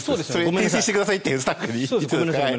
訂正してくださいってスタッフに行ってるんですが。